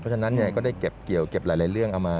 ฉะนั้นก็ได้เก็บเกี่ยวเก็บหลายเรื่องเอามา